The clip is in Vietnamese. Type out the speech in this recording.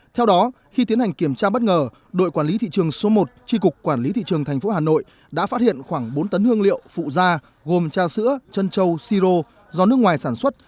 theo đó khi tiến hành kiểm tra bất ngờ đội quản lý thị trường số một tri cục quản lý thị trường thành phố hà nội đã phát hiện khoảng bốn tấn hương liệu phụ da gồm trà sữa chân trâu si rô do nước ngoài sản xuất